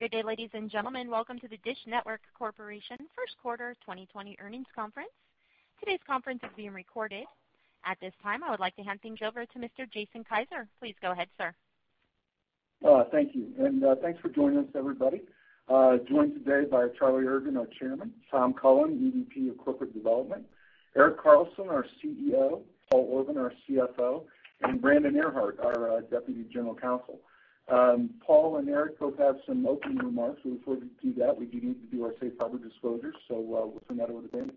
Good day, ladies and gentlemen. Welcome to the DISH Network Corporation First Quarter 2020 Earnings Conference. Today's conference is being recorded. At this time, I would like to hand things over to Mr. Jason Kiser. Please go ahead, sir. Thank you, and thanks for joining us, everybody. Joined today by Charlie Ergen, our Chairman, Tom Cullen, EVP of Corporate Development, Erik Carlson, our CEO, Paul Orban, our CFO, and Brandon Ehrhart, our Deputy General Counsel. Paul and Erik both have some opening remarks. Before we do that, we do need to do our safe harbor disclosures, so with that order, Brandon.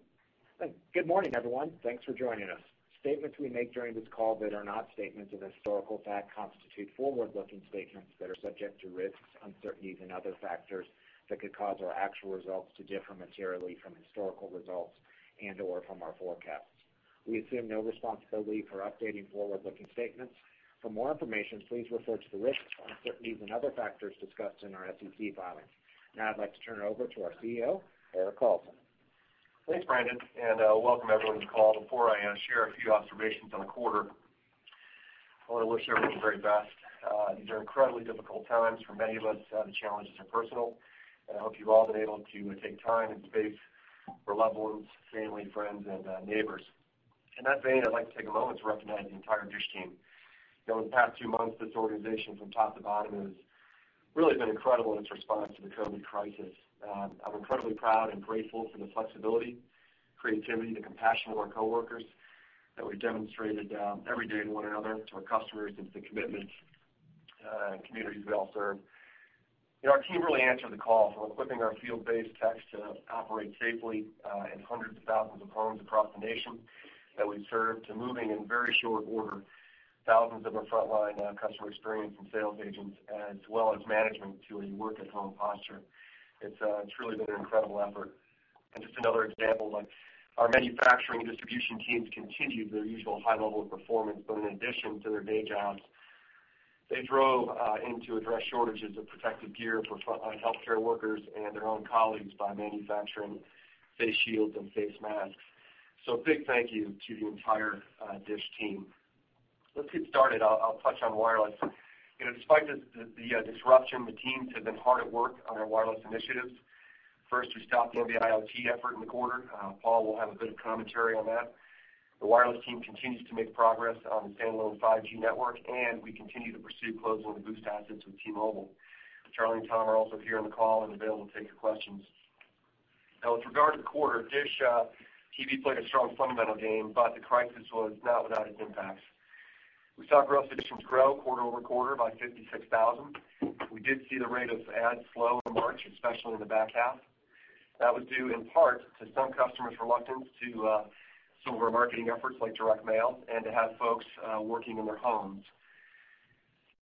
Thanks. Good morning, everyone. Thanks for joining us. Statements we make during this call that are not statements of historical fact constitute forward-looking statements that are subject to risks, uncertainties and other factors that could cause our actual results to differ materially from historical results and/or from our forecasts. We assume no responsibility for updating forward-looking statements. For more information, please refer to the risks, uncertainties and other factors discussed in our SEC filings. Now I'd like to turn it over to our CEO, Erik Carlson. Thanks, Brandon. Welcome everyone to the call. Before I share a few observations on the quarter, I wanna wish everyone the very best. These are incredibly difficult times for many of us. The challenges are personal, I hope you've all been able to take time and space for loved ones, family, friends and neighbors. In that vein, I'd like to take a moment to recognize the entire DISH team. You know, in the past two months, this organization from top to bottom has really been incredible in its response to the COVID crisis. I'm incredibly proud and grateful for the flexibility, creativity, the compassion of our coworkers that we demonstrated every day to one another, to our customers and to the commitments and communities we all serve. You know, our team really answered the call from equipping our field-based techs to operate safely in hundreds of thousands of homes across the nation that we serve, to moving in very short order thousands of our frontline customer experience and sales agents as well as management to a work-at-home posture. It's really been an incredible effort. Just another example, like our manufacturing and distribution teams continued their usual high level of performance, but in addition to their day jobs, they drove in to address shortages of protective gear for healthcare workers and their own colleagues by manufacturing face shields and face masks. Big thank you to the entire DISH team. Let's get started. I'll touch on wireless. You know, despite the disruption, the teams have been hard at work on our wireless initiatives. First, we stopped the MVNO effort in the quarter. Paul will have a bit of commentary on that. The wireless team continues to make progress on the standalone 5G network, and we continue to pursue closing the Boost assets with T-Mobile. Charlie and Tom are also here on the call and available to take your questions. With regard to quarter, DISH TV played a strong fundamental game, but the crisis was not without its impacts. We saw gross additions grow quarter-over-quarter by 56,000. We did see the rate of ads slow in March, especially in the back half. That was due in part to some customers' reluctance to some of our marketing efforts like direct mail and to have folks working in their homes.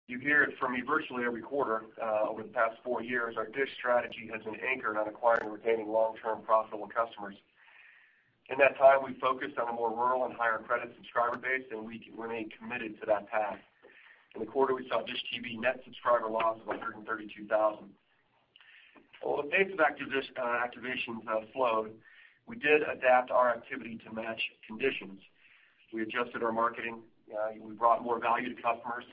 You hear it from me virtually every quarter, over the past four years, our DISH strategy has been anchored on acquiring and retaining long-term profitable customers. In that time, we focused on a more rural and higher credit subscriber base, we remain committed to that path. In the quarter, we saw DISH TV net subscriber loss of 132,000. While the pace of activations slowed, we did adapt our activity to match conditions. We adjusted our marketing. We brought more value to customers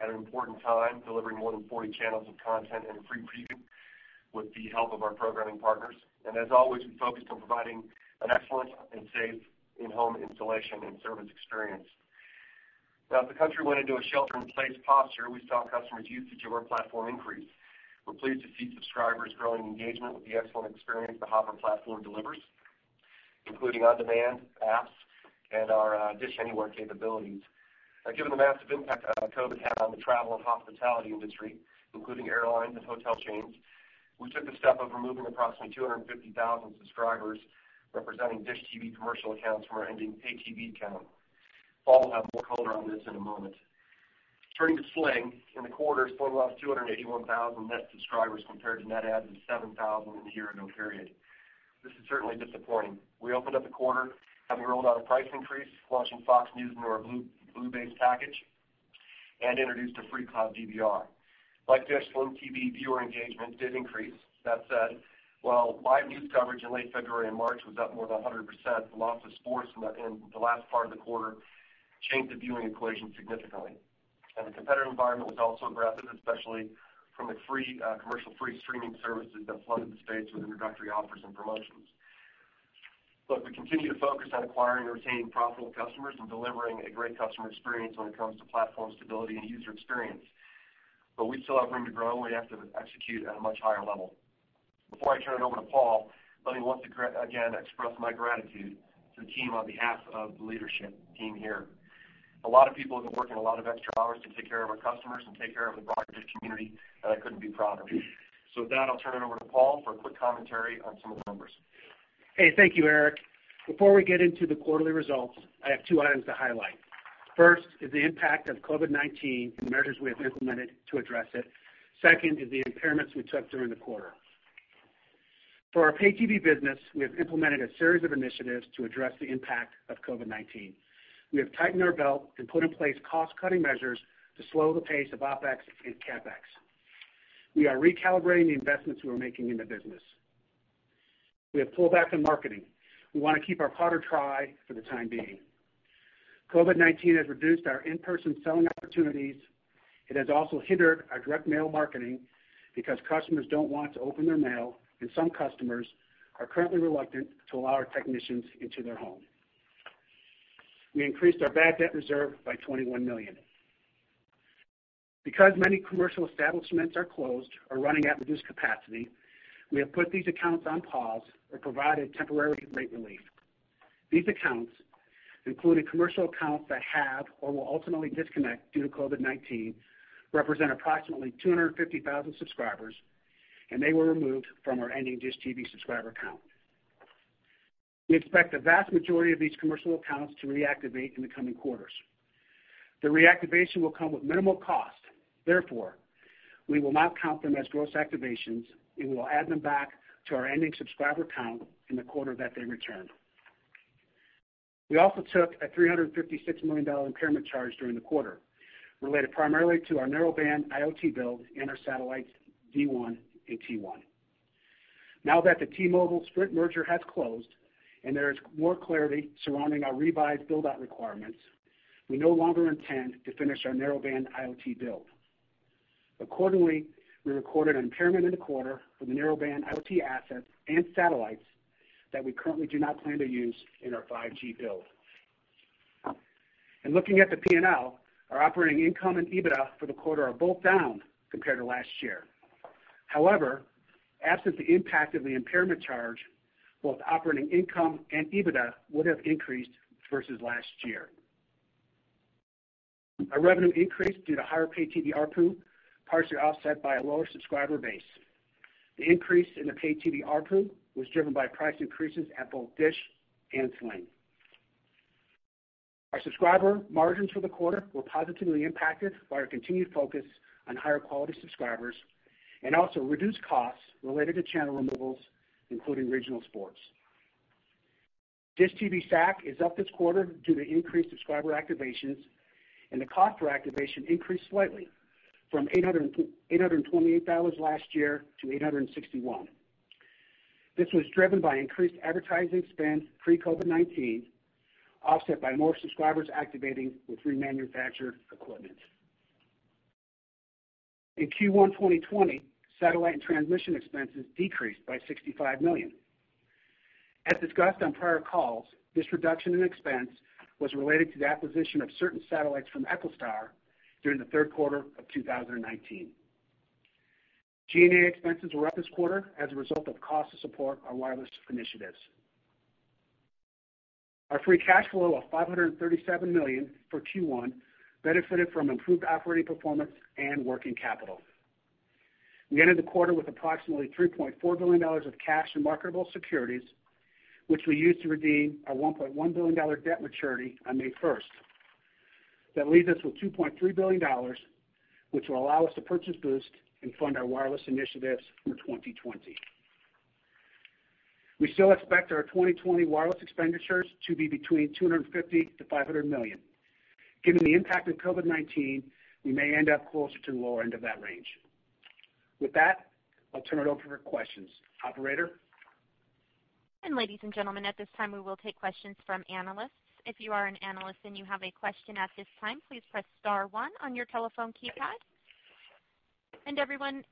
at an important time, delivering more than 40 channels of content and a free preview with the help of our programming partners. As always, we focused on providing an excellent and safe in-home installation and service experience. Now, as the country went into a shelter-in-place posture, we saw customers' usage of our platform increase. We're pleased to see subscribers growing engagement with the excellent experience the Hopper platform delivers, including on-demand apps and our DISH Anywhere capabilities. Now, given the massive impact COVID had on the travel and hospitality industry, including airlines and hotel chains, we took the step of removing approximately 250,000 subscribers representing DISH TV commercial accounts from our ending Pay TV count. Paul will have more color on this in a moment. Turning to Sling, in the quarter, Sling lost 281,000 net subscribers compared to net adds of 7,000 in the year-ago period. This is certainly disappointing. We opened up the quarter, having rolled out a price increase, launching Fox News into our blue-based package, and introduced a free cloud DVR. Like DISH, Sling TV viewer engagement did increase. That said, while live news coverage in late February and March was up more than 100%, the loss of sports in the last part of the quarter changed the viewing equation significantly. The competitive environment was also aggressive, especially from the free, commercial-free streaming services that flooded the space with introductory offers and promotions. Look, we continue to focus on acquiring and retaining profitable customers and delivering a great customer experience when it comes to platform stability and user experience. We still have room to grow, and we have to execute at a much higher level. Before I turn it over to Paul, let me once again express my gratitude to the team on behalf of the leadership team here. A lot of people have been working a lot of extra hours to take care of our customers and take care of the broader DISH community, and I couldn't be prouder. With that, I'll turn it over to Paul for a quick commentary on some of the numbers. Hey, thank you, Erik. Before we get into the quarterly results, I have two items to highlight. First is the impact of COVID-19 and measures we have implemented to address it. Second is the impairments we took during the quarter. For our Pay TV business, we have implemented a series of initiatives to address the impact of COVID-19. We have tightened our belt and put in place cost-cutting measures to slow the pace of OpEx and CapEx. We are recalibrating the investments we are making in the business. We have pulled back on marketing. We wanna keep our powder dry for the time being. COVID-19 has reduced our in-person selling opportunities. It has also hindered our direct mail marketing because customers don't want to open their mail, and some customers are currently reluctant to allow our technicians into their home. We increased our bad debt reserve by $21 million. Because many commercial establishments are closed or running at reduced capacity, we have put these accounts on pause or provided temporary rate relief. These accounts, including commercial accounts that have or will ultimately disconnect due to COVID-19, represent approximately 250,000 subscribers. They were removed from our ending DISH TV subscriber count. We expect the vast majority of these commercial accounts to reactivate in the coming quarters. The reactivation will come with minimal cost. Therefore, we will not count them as gross activations. We will add them back to our ending subscriber count in the quarter that they return. We also took a $356 million impairment charge during the quarter related primarily to our Narrowband IoT build and our satellites D1 and T1. Now that the T-Mobile-Sprint merger has closed and there is more clarity surrounding our revised build-out requirements, we no longer intend to finish our Narrowband IoT build. Accordingly, we recorded impairment in the quarter for the Narrowband IoT assets and satellites that we currently do not plan to use in our 5G build. Looking at the P&L, our operating income and EBITDA for the quarter are both down compared to last year. However, absent the impact of the impairment charge, both operating income and EBITDA would have increased versus last year. Our revenue increased due to higher pay-TV ARPU, partially offset by a lower subscriber base. The increase in the pay-TV ARPU was driven by price increases at both DISH and Sling. Our subscriber margins for the quarter were positively impacted by our continued focus on higher quality subscribers and also reduced costs related to channel removals, including regional sports. DISH TV SAC is up this quarter due to increased subscriber activations, and the cost per activation increased slightly from $828 last year to $861. This was driven by increased advertising spend pre-COVID-19, offset by more subscribers activating with remanufactured equipment. In Q1 2020, satellite and transmission expenses decreased by $65 million. As discussed on prior calls, this reduction in expense was related to the acquisition of certain satellites from EchoStar during the third quarter of 2019. G&A expenses were up this quarter as a result of cost to support our wireless initiatives. Our free cash flow of $537 million for Q1 benefited from improved operating performance and working capital. We ended the quarter with approximately $3.4 billion of cash and marketable securities, which we used to redeem our $1.1 billion debt maturity on May 1st. That leaves us with $2.3 billion, which will allow us to purchase Boost and fund our wireless initiatives for 2020. We still expect our 2020 wireless expenditures to be between $250 million-$500 million. Given the impact of COVID-19, we may end up closer to the lower end of that range. With that, I'll turn it over for questions. Operator? Ladies and gentlemen, at this time, we will take questions from analysts. If you are an analyst and you have a question at this time, please press star one on your telephone keypad. Everyone,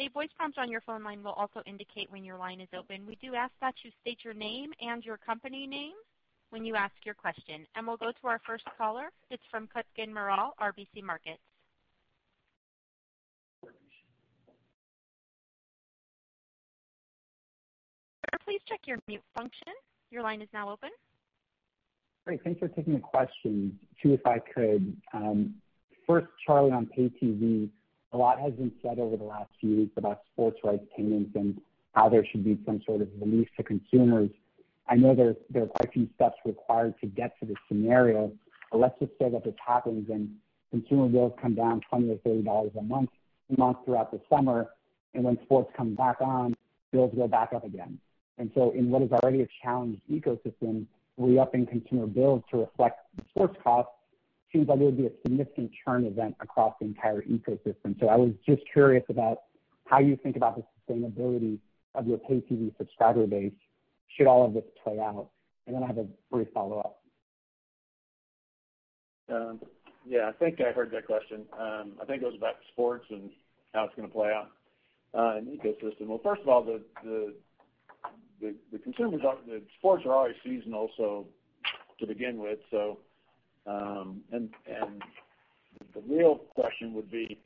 a voice prompt on your phone line will also indicate when your line is open. We do ask that you state your name and your company name when you ask your question. We'll go to our first caller. It's from Kutgun Maral, RBC Capital Markets. Sir, please check your mute function. Your line is now open. Great. Thanks for taking the question. Two, if I could. First, Charlie, on pay TV, a lot has been said over the last few weeks about sports rights payments and how there should be some sort of relief to consumers. I know there are quite a few steps required to get to this scenario. Let's just say that this happens and consumer bills come down $20 or $30 a month throughout the summer, and when sports come back on, bills go back up again. In what is already a challenged ecosystem, re-upping consumer bills to reflect the sports costs seems like it would be a significant churn event across the entire ecosystem. I was just curious about how you think about the sustainability of your pay TV subscriber base should all of this play out? I have a brief follow-up. Yeah, I think I heard that question. I think it was about sports and how it's gonna play out in the ecosystem. First of all, the sports are already seasonal, so to begin with. The real question would be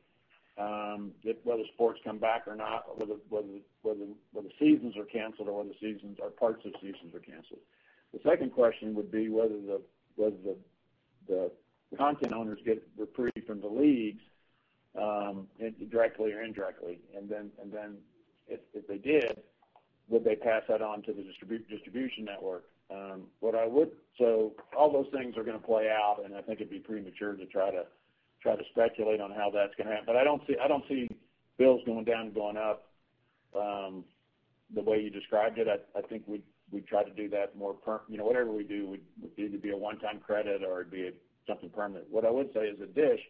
that whether sports come back or not or whether seasons are canceled or whether seasons or parts of seasons are canceled. The second question would be whether the content owners get reprieve from the leagues directly or indirectly. Then if they did, would they pass that on to the distribution network? All those things are gonna play out, and I think it'd be premature to try to speculate on how that's gonna happen. I don't see bills going down and going up, the way you described it. I think we'd try to do that. You know, whatever we do would need to be a one-time credit or it'd be something permanent. What I would say is at DISH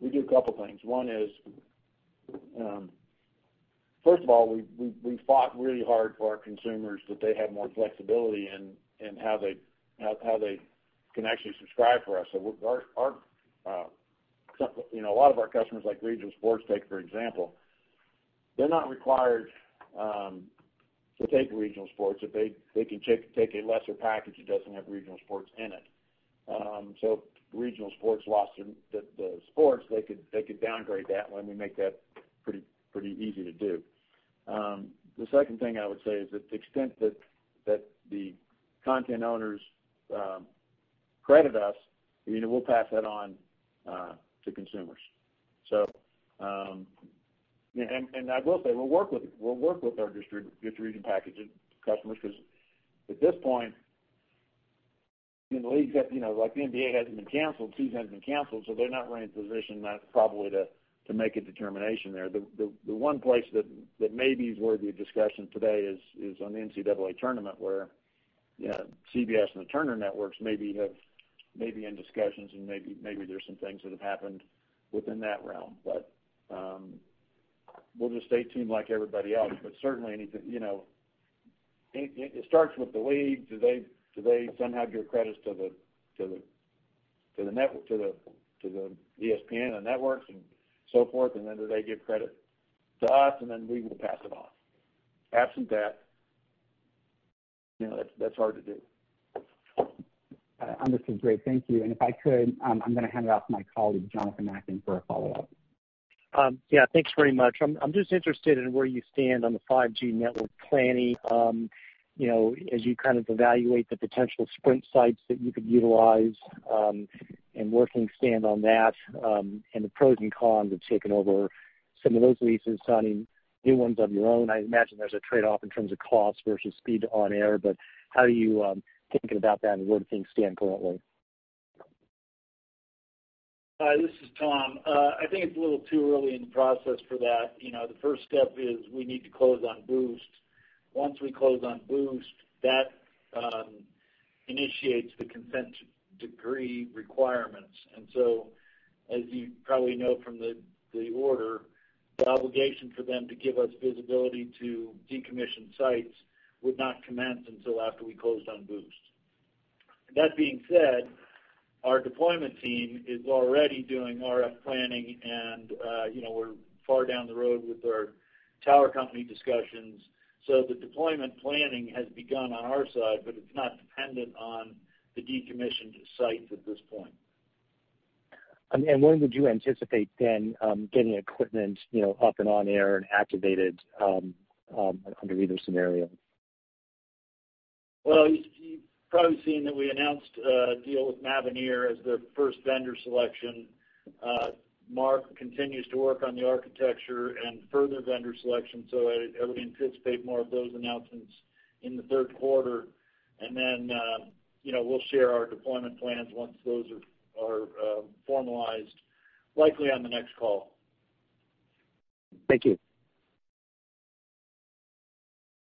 We do a couple things. One is, first of all, we fought really hard for our consumers that they have more flexibility in how they can actually subscribe for us. Our, you know, a lot of our customers like Regional Sports take for example, they're not required to take Regional Sports. If they can take a lesser package that doesn't have Regional Sports in it. If Regional Sports lost their sports, they could downgrade that one. We make that pretty easy to do. The second thing I would say is that the extent that the content owners credit us, you know, we'll pass that on to consumers. I will say, we'll work with our distribution package customers because at this point, you know, leagues have, you know, like the NBA hasn't been canceled, season hasn't been canceled, so they're not really in a position that probably to make a determination there. The one place that maybe is worthy of discussion today is on the NCAA tournament, where, you know, CBS and the Turner networks may be in discussions and maybe there's some things that have happened within that realm. We'll just stay tuned like everybody else. Certainly anything, you know, it starts with the leagues. Do they somehow give credits to the ESPN and networks and so forth? Do they give credit to us, and then we will pass it on. Absent that, you know, that's hard to do. Understood. Great. Thank you. If I could, I'm gonna hand it off to my colleague, Jonathan Atkin for a follow-up. Yeah, thanks very much. I'm just interested in where you stand on the 5G network planning, you know, as you kind of evaluate the potential Sprint sites that you could utilize, and where things stand on that, and the pros and cons of taking over some of those leases, signing new ones of your own. I imagine there's a trade-off in terms of cost versus speed to on air, but how are you thinking about that, and where do things stand currently? This is Tom. I think it's a little too early in the process for that. You know, the first step is we need to close on Boost. Once we close on Boost, that initiates the consent decree requirements. As you probably know from the order, the obligation for them to give us visibility to decommissioned sites would not commence until after we closed on Boost. That being said, our deployment team is already doing RF planning and, you know, we're far down the road with our tower company discussions. The deployment planning has begun on our side, but it's not dependent on the decommissioned sites at this point. When would you anticipate then, getting equipment, you know, up and on air and activated, under either scenario? Well, you've probably seen that we announced a deal with Mavenir as the first vendor selection. Marc continues to work on the architecture and further vendor selection, I would anticipate more of those announcements in the third quarter. You know, we'll share our deployment plans once those are formalized, likely on the next call. Thank you.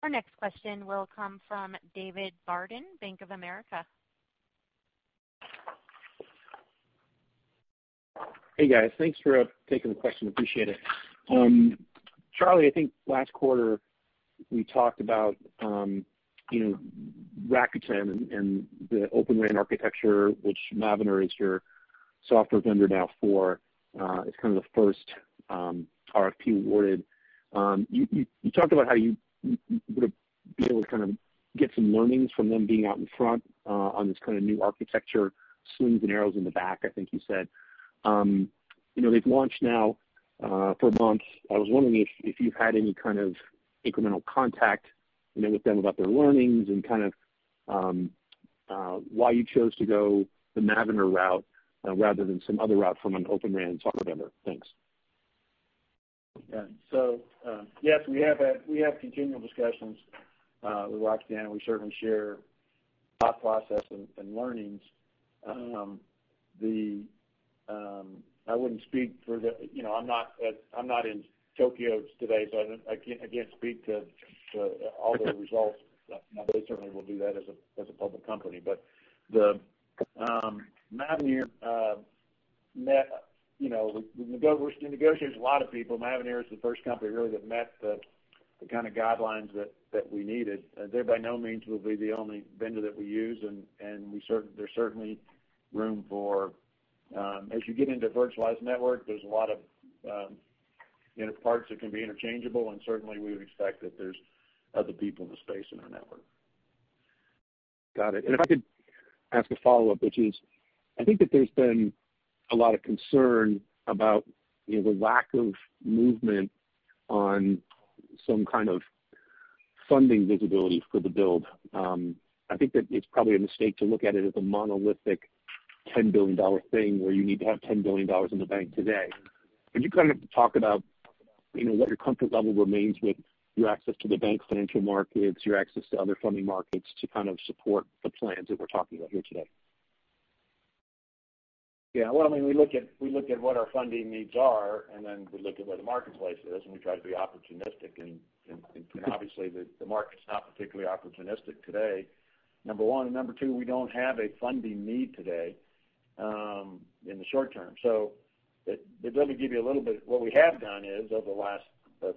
Our next question will come from David Barden, Bank of America. Hey, guys. Thanks for taking the question. Appreciate it. Charlie, I think last quarter we talked about, you know, Rakuten and the Open RAN architecture, which Mavenir is your software vendor now for, as kind of the first RFP awarded. You talked about how you would have been able to kind of get some learnings from them being out in front, on this kind of new architecture, slings and arrows in the back, I think you said. You know, they've launched now for months. I was wondering if you've had any kind of incremental contact, you know, with them about their learnings and kind of, why you chose to go the Mavenir route, rather than some other route from an Open RAN software vendor. Thanks. Yes, we have continual discussions with Rakuten, and we certainly share thought process and learnings. I wouldn't speak for You know, I'm not at, I'm not in Tokyo today, so I don't, I can't speak to all their results. They certainly will do that as a public company. The Mavenir met, you know, we're still negotiating with a lot of people. Mavenir is the first company really that met the kind of guidelines that we needed. They, by no means, will be the only vendor that we use. There's certainly room for, as you get into virtualized network, there's a lot of, you know, parts that can be interchangeable and certainly we would expect that there's other people in the space in our network. Got it. If I could ask a follow-up, which is, I think that there's been a lot of concern about, you know, the lack of movement on some kind of funding visibility for the build. I think that it's probably a mistake to look at it as a monolithic $10 billion thing where you need to have $10 billion in the bank today. Could you kind of talk about, you know, what your comfort level remains with your access to the bank financial markets, your access to other funding markets to kind of support the plans that we're talking about here today? Well, I mean, we look at what our funding needs are, we look at where the marketplace is, and we try to be opportunistic and obviously the market's not particularly opportunistic today. Number one, number two, we don't have a funding need today in the short term. Let me give you a little bit. What we have done is, over the last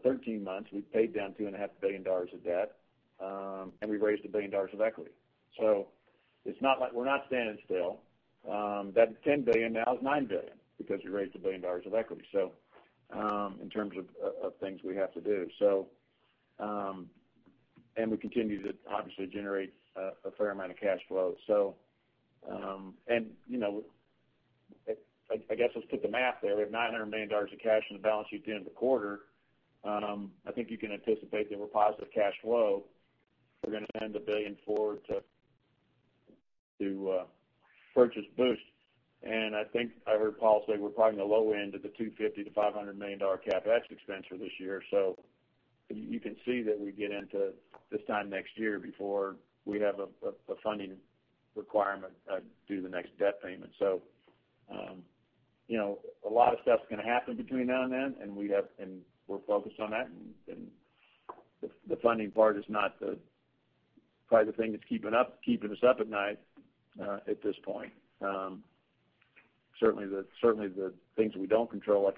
13 months, we've paid down two and a half billion dollars of debt, and we've raised $1 billion of equity. It's not like we're not standing still. That $10 billion now is $9 billion because we raised $1 billion of equity in terms of things we have to do. We continue to obviously generate a fair amount of cash flow. You know, I guess let's put the math there. We have $900 million of cash on the balance sheet at the end of the quarter. I think you can anticipate that we're positive cash flow. We're going to spend $1 billion forward to purchase Boost. I think I heard Paul say we're probably in the low end of the $250 million-$500 million CapEx expense for this year. You can see that we get into this time next year before we have a funding requirement due the next debt payment. You know, a lot of stuff's going to happen between now and then, and we're focused on that. The funding part is not probably the thing that's keeping us up at night at this point. The things we don't control,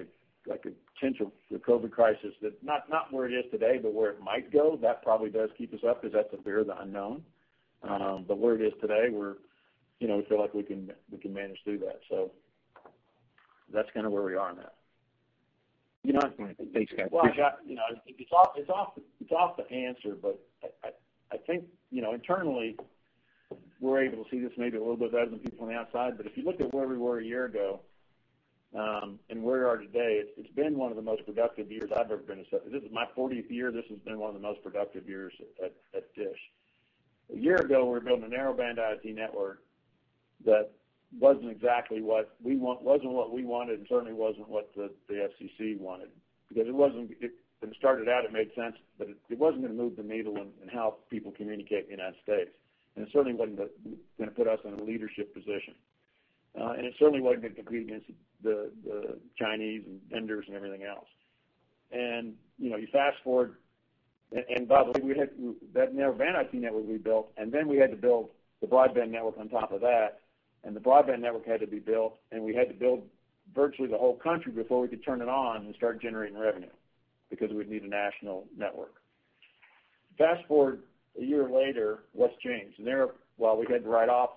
like a potential COVID crisis that not where it is today, but where it might go, that probably does keep us up because that's the fear of the unknown. Where it is today, we're, you know, we feel like we can manage through that. That's kinda where we are on that. You know. Thanks, guys. I, you know, it's off the answer, but I think, you know, internally, we're able to see this maybe a little bit better than people on the outside. If you look at where we were a year ago, and where we are today, it's been one of the most productive years I've ever been associated. This is my 40th year, this has been one of the most productive years at DISH. A year ago, we were building a Narrowband IoT network that wasn't what we wanted, and certainly wasn't what the FCC wanted. It wasn't when it started out, it made sense, but it wasn't gonna move the needle in how people communicate in the U.S. It certainly wasn't gonna put us in a leadership position. It certainly wasn't gonna compete against the Chinese and vendors and everything else. You know, you fast-forward, and by the way, we had that Narrowband IoT network we built, and then we had to build the broadband network on top of that, and the broadband network had to be built, and we had to build virtually the whole country before we could turn it on and start generating revenue because we'd need a national network. Fast-forward a year later, what's changed? There, while we had to write off,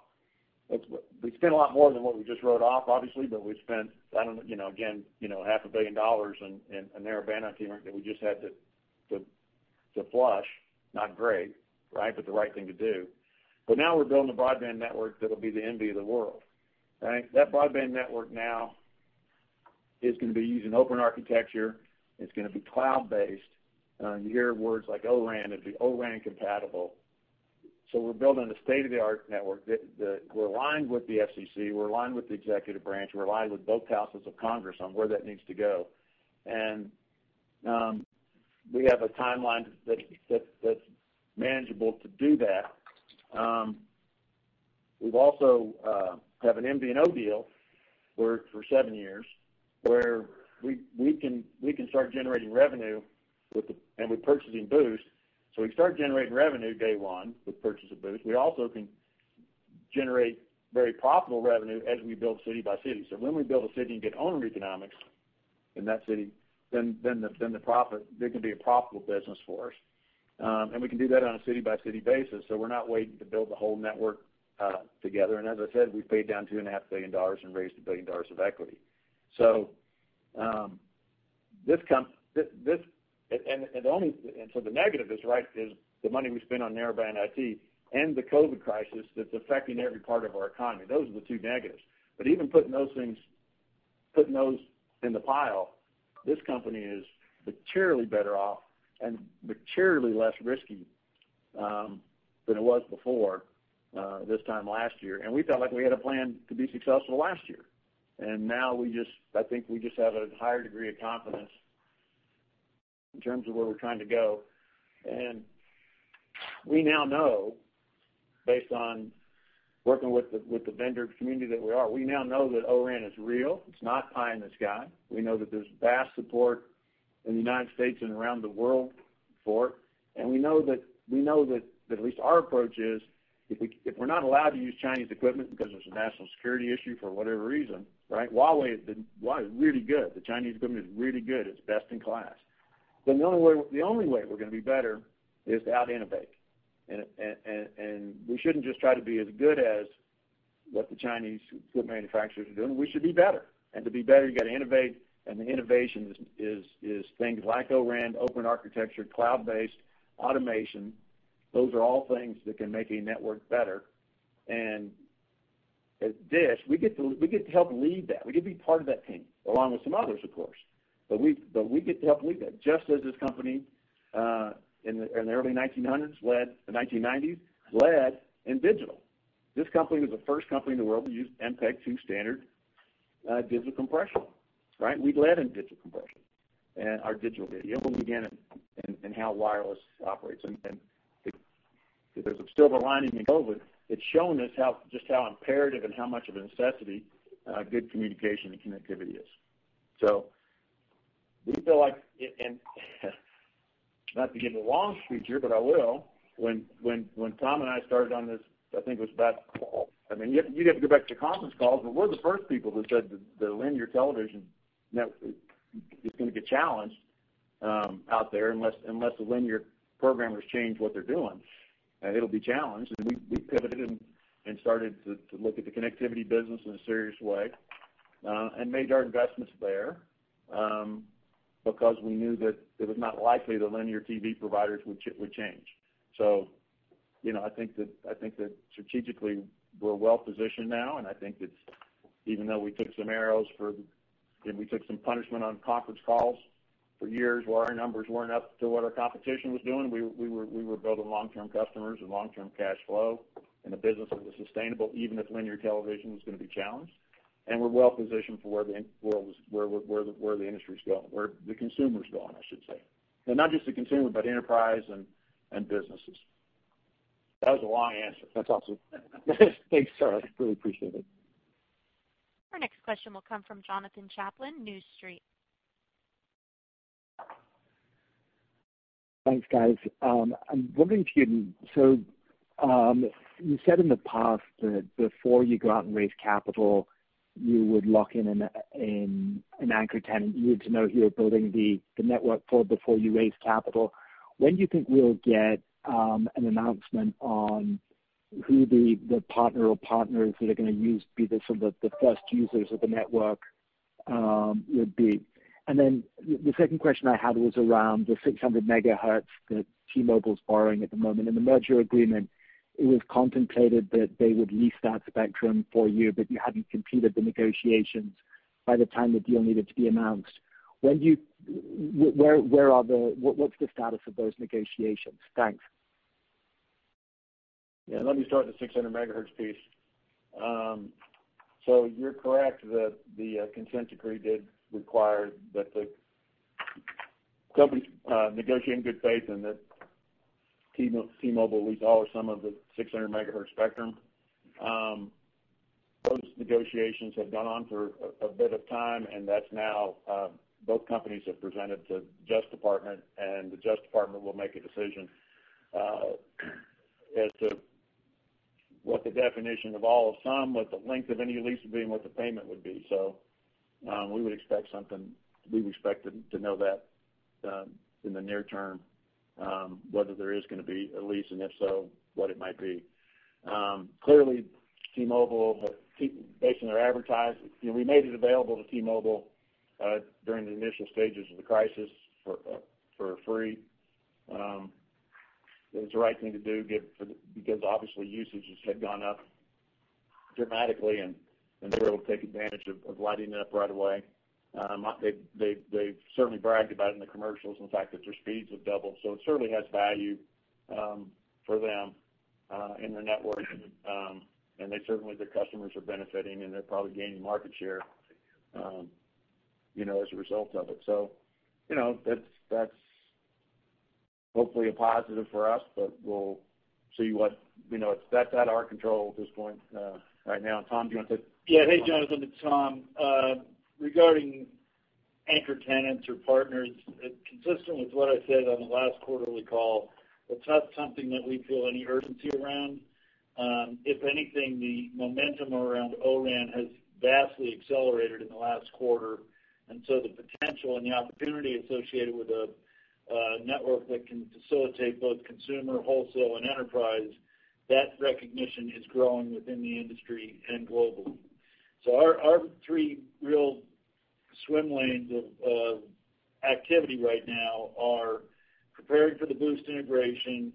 we'd spent a lot more than what we just wrote off, obviously, but we'd spent, I don't know, you know, again, you know, $0.5 billion in a Narrowband IoT network that we just had to flush. Not great, right? The right thing to do. Now we're building a broadband network that'll be the envy of the world, right? That broadband network now is gonna be using open architecture. It's gonna be cloud-based. You hear words like O-RAN. It'll be O-RAN compatible. We're building a state-of-the-art network that we're aligned with the FCC, we're aligned with the executive branch, we're aligned with both houses of Congress on where that needs to go. We have a timeline that's manageable to do that. We've also have an MVNO deal for seven years where we can start generating revenue with purchasing Boost. We can start generating revenue day one with purchase of Boost. We also can generate very profitable revenue as we build city by city. When we build a city and get owner economics in that city, it can be a profitable business for us. We can do that on a city-by-city basis, so we're not waiting to build the whole network together. As I said, we've paid down two and a half billion dollars and raised $1 billion of equity. The negative is, right, the money we spent on Narrowband IoT and the COVID-19 crisis that's affecting every part of our economy. Those are the two negatives. Even putting those things, putting those in the pile, this company is materially better off and materially less risky than it was before this time last year. We felt like we had a plan to be successful last year. Now I think we just have a higher degree of confidence in terms of where we're trying to go. We now know, based on working with the vendor community that O-RAN is real. It's not pie in the sky. We know that there's vast support in the United States and around the world for it. We know that at least our approach is, if we, if we're not allowed to use Chinese equipment because there's a national security issue for whatever reason, right. Huawei is really good. The Chinese equipment is really good. It's best in class. The only way we're gonna be better is to out-innovate. We shouldn't just try to be as good as what the Chinese equipment manufacturers are doing. We should be better. To be better, you got to innovate, and the innovation is things like O-RAN, open architecture, cloud-based, automation. Those are all things that can make a network better. At DISH, we get to help lead that. We get to be part of that team, along with some others, of course. We get to help lead that, just as this company in the early 1900s, the 1990s, led in digital. This company was the first company in the world to use MPEG-2 standard, digital compression, right? We led in digital compression and our digital video. We'll again in how wireless operates. If there's a silver lining in COVID, it's shown us just how imperative and how much of a necessity good communication and connectivity is. We feel like and not to give a long speech here, but I will. When Tom and I started on this, I think it was about I mean, you'd have to go back to conference calls, but we're the first people that said that linear television is gonna get challenged out there unless the linear programmers change what they're doing, it'll be challenged. We pivoted and started to look at the connectivity business in a serious way and made our investments there because we knew that it was not likely the linear TV providers would change. You know, I think that strategically we're well-positioned now, and I think it's even though we took some arrows for You know, we took some punishment on conference calls for years where our numbers weren't up to what our competition was doing, we were building long-term customers and long-term cash flow, and the business was sustainable, even if linear television was gonna be challenged. We're well-positioned for where the industry's going, where the consumer's going, I should say. Not just the consumer, but enterprise and businesses. That was a long answer. That's awesome. Thanks, Charlie. Really appreciate it. Our next question will come from Jonathan Chaplin, New Street. Thanks, guys. I'm wondering, you said in the past that before you go out and raise capital, you would lock in an anchor tenant you would know you were building the network for before you raise capital. When do you think we'll get an announcement on who the partner or partners that are gonna use be the sort of the first users of the network would be? The second question I had was around the 600 MHz that T-Mobile's borrowing at the moment. In the merger agreement, it was contemplated that they would lease that spectrum for you, but you hadn't completed the negotiations by the time the deal needed to be announced. What's the status of those negotiations? Thanks. Yeah, let me start with the 600 MHz piece. You're correct that the consent decree did require that the companies negotiate in good faith and that T-Mobile lease all or some of the 600 MHz spectrum. Those negotiations have gone on for a bit of time, and that's now, both companies have presented to the Justice Department, and the Justice Department will make a decision as to what the definition of all or some, what the length of any lease would be, and what the payment would be. We would expect something. We would expect to know that in the near term, whether there is gonna be a lease, and if so, what it might be. Clearly, T-Mobile, based on their advertising, you know, we made it available to T-Mobile during the initial stages of the crisis for free. It was the right thing to do because obviously usage had gone up dramatically, and they were able to take advantage of lighting it up right away. They've certainly bragged about in the commercials the fact that their speeds have doubled. It certainly has value for them in their network. They certainly, their customers are benefiting, and they're probably gaining market share, you know, as a result of it. You know, that's hopefully a positive for us, but we'll see what, you know, that's out of our control at this point right now. Tom, do you want to. Hey, Jonathan, it's Tom. Regarding anchor tenants or partners, consistent with what I said on the last quarterly call, that's not something that we feel any urgency around. If anything, the momentum around O-RAN has vastly accelerated in the last quarter, the potential and the opportunity associated with a network that can facilitate both consumer, wholesale, and enterprise, that recognition is growing within the industry and globally. Our three real swim lanes of activity right now are preparing for the Boost integration,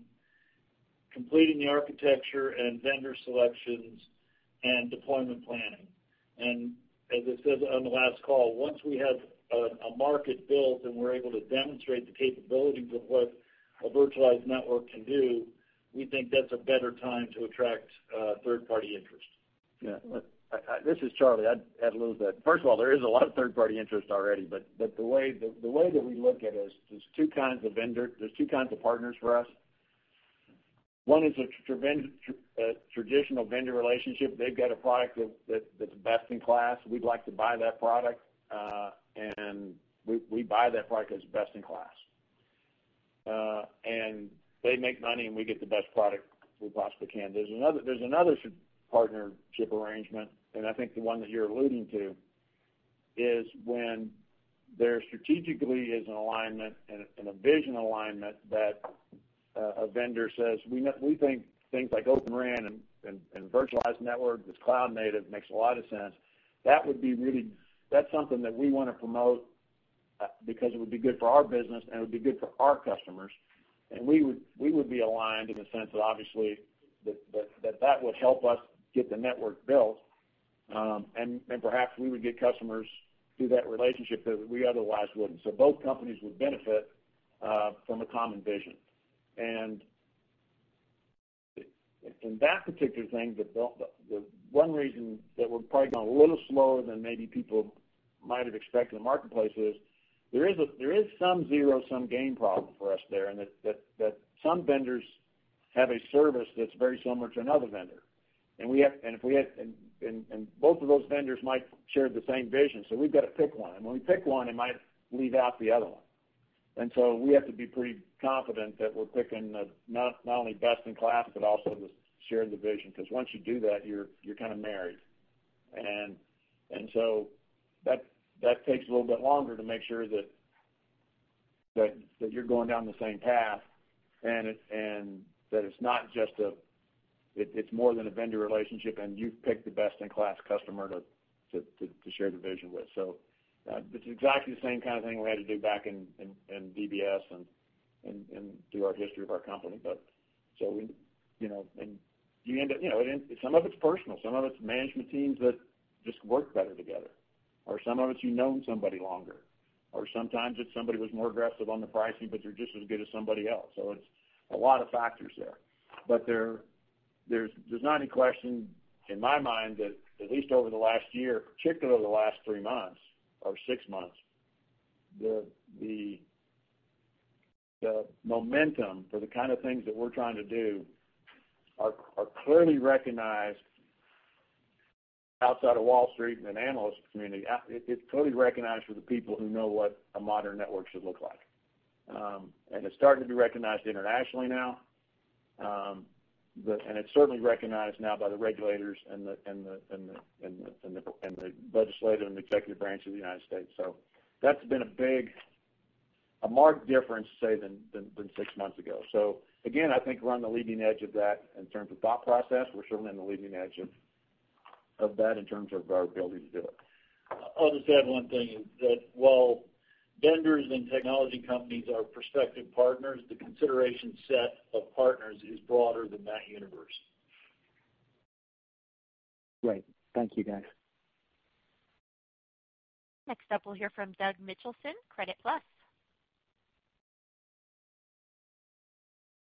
completing the architecture and vendor selections, and deployment planning. As I said on the last call, once we have a market built and we're able to demonstrate the capabilities of what a virtualized network can do, we think that's a better time to attract third-party interest. Yeah. Look, I This is Charlie. I'd add a little to that. First of all, there is a lot of third-party interest already, but the way that we look at it is there's two kinds of partners for us. One is a traditional vendor relationship. They've got a product that's best in class. We'd like to buy that product, and we buy that product that's best in class. They make money, and we get the best product we possibly can. There's another partnership arrangement. I think the one that you're alluding to, is when there strategically is an alignment and a vision alignment that a vendor says, "We think things like Open RAN and virtualized network that's cloud native makes a lot of sense." That's something that we wanna promote, because it would be good for our business, and it would be good for our customers, and we would be aligned in the sense that obviously that would help us get the network built. Perhaps we would get customers through that relationship that we otherwise wouldn't. Both companies would benefit from a common vision. In that particular thing, the one reason that we're probably going a little slower than maybe people might have expected in the marketplace is there is some zero/some gain problem for us there in that some vendors have a service that's very similar to another vendor. Both of those vendors might share the same vision, so we've gotta pick one. When we pick one, it might leave out the other one. We have to be pretty confident that we're picking the not only best in class, but also the shared vision, 'cause once you do that, you're kinda married. So that takes a little bit longer to make sure that you're going down the same path and that it's not just a, it's more than a vendor relationship, and you've picked the best in class customer to share the vision with. It's exactly the same kind of thing we had to do back in DBS and through our history of our company. We, you know, and you end up, you know, and some of it's personal, some of it's management teams that just work better together, or some of it's you've known somebody longer, or sometimes it's somebody who's more aggressive on the pricing, but they're just as good as somebody else. It's a lot of factors there. There's not any question in my mind that at least over the last year, particularly the last three months or six months, the momentum for the kind of things that we're trying to do are clearly recognized outside of Wall Street and the analyst community. It's totally recognized for the people who know what a modern network should look like. It's starting to be recognized internationally now, and it's certainly recognized now by the regulators and the legislative and executive branch of the United States. That's been a big, a marked difference, say, than six months ago. Again, I think we're on the leading edge of that in terms of thought process. We're certainly on the leading edge of that in terms of our ability to do it. I'll just add one thing, is that while vendors and technology companies are prospective partners, the consideration set of partners is broader than that universe. Great. Thank you, guys. Next up, we'll hear from Doug Mitchelson, Credit Suisse.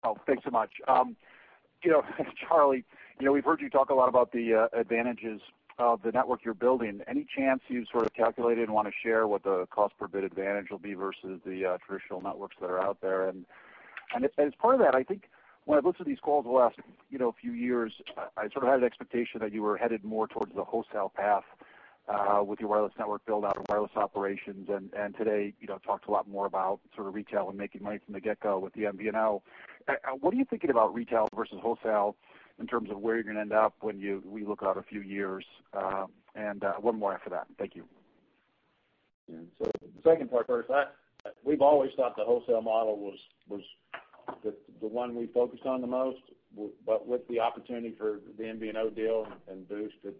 Oh, thanks so much. You know, Charlie, you know, we've heard you talk a lot about the advantages of the network you're building. Any chance you've sort of calculated and wanna share what the cost per bit advantage will be versus the traditional networks that are out there? As part of that, I think when I've listened to these calls the last, you know, few years, I sort of had an expectation that you were headed more towards the wholesale path with your wireless network build out and wireless operations, and today, you know, talked a lot more about sort of retail and making money from the get-go with the MVNO. What are you thinking about retail versus wholesale in terms of where you're gonna end up when we look out a few years? One more after that. Thank you. The second part first. We've always thought the wholesale model was the one we focused on the most but with the opportunity for the MVNO deal and Boost that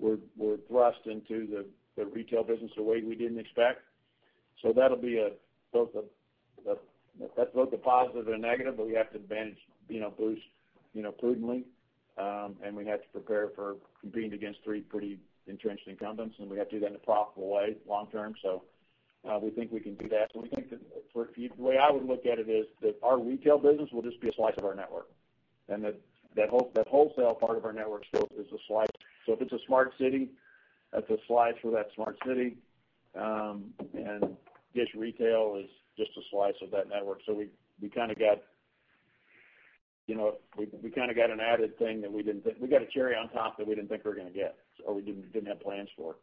we're thrust into the retail business the way we didn't expect. That'll be both a positive and a negative, but we have to manage, you know, Boost, you know, prudently. We have to prepare for competing against three pretty entrenched incumbents, and we have to do that in a profitable way long term. We think we can do that. We think that the way I would look at it is that our retail business will just be a slice of our network, and that wholesale part of our network still is a slice. If it's a smart city, that's a slice for that smart city, and DISH Retail is just a slice of that network. We kinda got, you know, we kinda got an added thing that we got a cherry on top that we didn't think we were gonna get, or we didn't have plans for.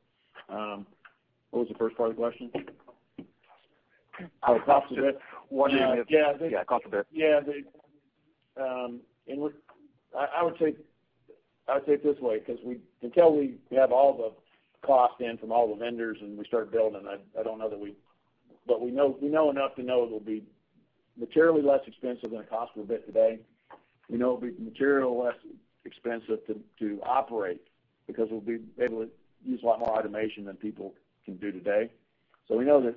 What was the first part of the question? Cost. Oh, cost of it. Wondering if- Yeah. Yeah, cost of it. Yeah. I would say it this way, 'cause until we have all the cost in from all the vendors and we start building, I don't know that we. We know enough to know it'll be materially less expensive than the cost of a bit today. We know it'll be materially less expensive to operate because we'll be able to use a lot more automation than people can do today. We know that.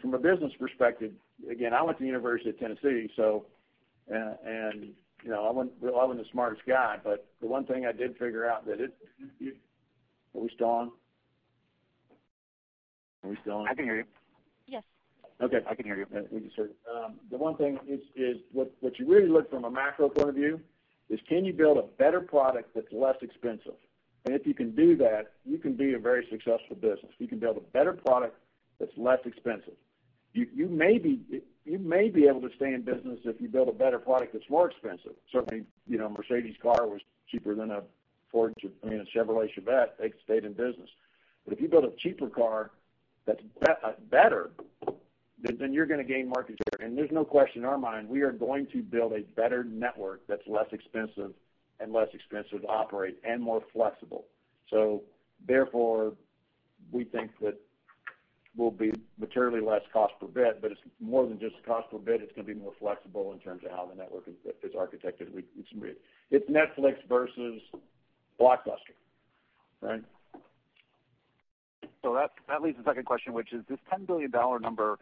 From a business perspective, again, I went to University of Tennessee, so, you know, I wasn't the smartest guy, but the one thing I did figure out. Are we still on? I can hear you. Yes. Okay. I can hear you. We can hear you. The one thing is what you really look from a macro point of view is can you build a better product that's less expensive? If you can do that, you can be a very successful business. If you can build a better product that's less expensive. You may be able to stay in business if you build a better product that's more expensive. Certainly, you know, a Mercedes-Benz car was cheaper than a Chevrolet Chevette. They stayed in business. If you build a cheaper car that's better, then you're gonna gain market share. There's no question in our mind, we are going to build a better network that's less expensive and less expensive to operate and more flexible. Therefore, we think that we'll be materially less cost per bit, but it's more than just cost per bit. It's gonna be more flexible in terms of how the network is architected. It's Netflix versus Blockbuster, right? That leads to the second question, which is this $10 billion number,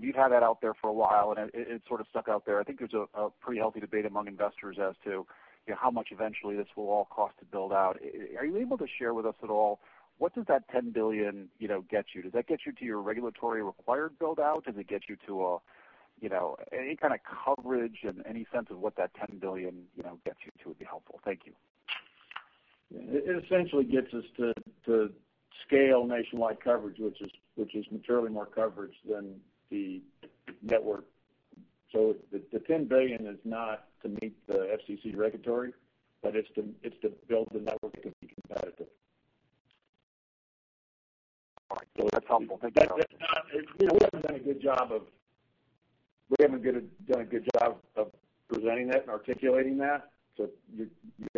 you've had that out there for a while, and it sort of stuck out there. I think there's a pretty healthy debate among investors as to, you know, how much eventually this will all cost to build out. Are you able to share with us at all what does that $10 billion, you know, get you? Does that get you to your regulatory required build out? Does it get you to any kind of coverage and any sense of what that $10 billion, you know, gets you to would be helpful. Thank you. It essentially gets us to scale nationwide coverage, which is materially more coverage than the network. The $10 billion is not to meet the FCC regulatory, but it's to build the network to be competitive. All right. That's helpful. Thank you. It's, we haven't done a good job of presenting that and articulating that, so you're